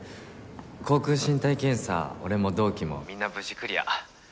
航空身体検査俺も同期もみんな無事クリア。